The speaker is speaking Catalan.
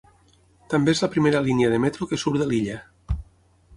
També és la primera línia de metro que surt de l'illa.